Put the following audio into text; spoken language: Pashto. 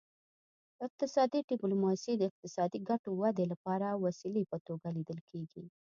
اقتصادي ډیپلوماسي د اقتصادي ګټو ودې لپاره د وسیلې په توګه لیدل کیږي